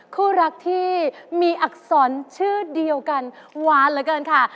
คู่รักที่มีอักษรชื่อเดียวกันหวานเหลือเกินค่ะ